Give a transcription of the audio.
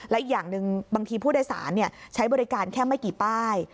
และอีกอย่างหนึ่งบางทีผู้โดยสารใช้บริการแค่ไม่กี่ป้าย